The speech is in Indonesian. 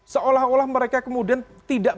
seolah olah mereka kemudian tidak